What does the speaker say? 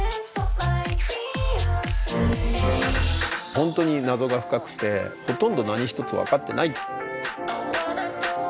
本当に謎が深くてほとんど何一つ分かってない。